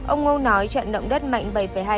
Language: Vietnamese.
ông ngô nói trận động đất mạnh